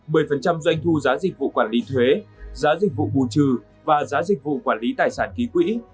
một mươi doanh thu giá dịch vụ quản lý thuế giá dịch vụ bù trừ và giá dịch vụ quản lý tài sản ký quỹ